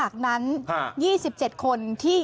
๒๗คนที่